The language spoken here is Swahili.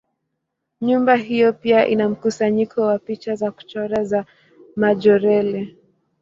Nyumba hiyo pia ina mkusanyiko wa picha za kuchora za Majorelle.